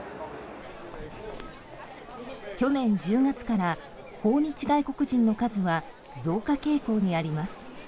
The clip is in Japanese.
去年１０月から訪日外国人の数は増加傾向にあります。